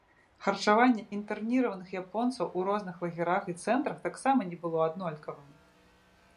Харчаванне інтэрніраваных японцаў у розных лагерах і цэнтрах таксама не было аднолькавым.